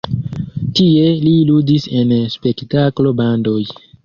Tie li ludis en spektaklo-bandoj.